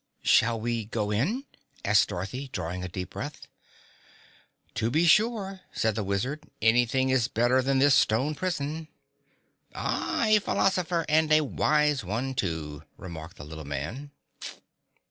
"Shall we go in?" asked Dorothy, drawing a deep breath. "To be sure," said the Wizard. "Anything is better than this stone prison." "Ah, a philosopher, and a wise one, too," remarked the little man.